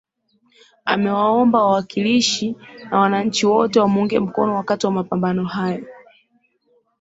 Amewaomba Wawakilishi na Wananchi wote wamuunge mkono wakati wa mapambano hayo